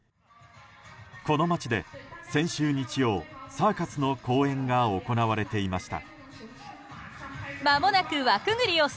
この町で先週日曜、サーカスの公演が行われていました。